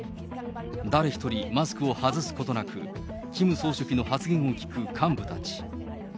誰一人マスクを外すことなく、キム総書記の発言を聞く幹部たち。